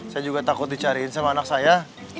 saya juga takut dicariin sama anak saya